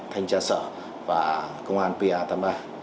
thanh tra sở và công an pa tám mươi ba